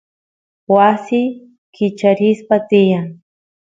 wasi kicharispa tiyan